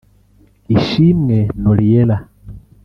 Ishimwe Noriella